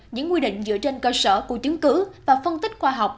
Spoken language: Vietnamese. những quy định dựa trên cơ sở của chứng cứ và phân tích khoa học